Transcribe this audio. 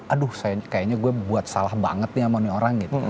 aduh kayaknya gue buat salah banget nih sama nih orang gitu